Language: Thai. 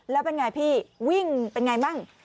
แล้วเป็นอย่างไรพี่วิ่งเป็นอย่างไรบ้าง